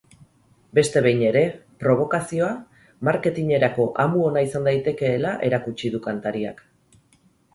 Beste behin ere, probokazioa marketinerako amu ona izan daitekeela erakutsi du kantariak.